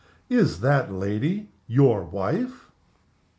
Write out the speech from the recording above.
Is that lady your wife?"